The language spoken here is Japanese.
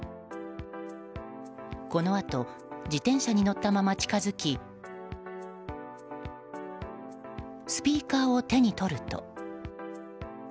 このあと自転車に乗ったまま近づきスピーカーを手に取ると。